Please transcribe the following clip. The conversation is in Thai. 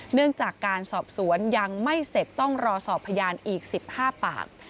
เนื่องจากการสอบสวนยังไม่เสร็จต้องรอสอบพยานอีก๑๕ปาก